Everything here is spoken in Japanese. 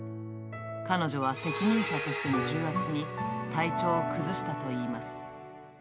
彼女は責任者としての重圧に体調を崩したといいます。